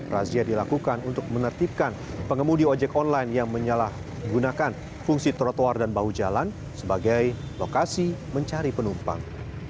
razia dilakukan untuk menertibkan pengemudi ojek online yang menyalahgunakan fungsi trotoar dan bahu jalan sebagai lokasi mencari penumpang